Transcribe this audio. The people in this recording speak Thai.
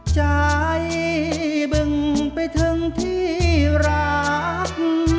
ใจบึงไปถึงที่รัก